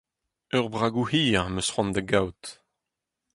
Ur bragoù hir am eus c'hoant da gaout.